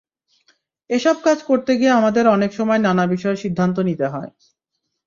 এসব কাজ করতে গিয়ে আমাদের অনেক সময় নানা বিষয়ে সিদ্ধান্ত নিতে হয়।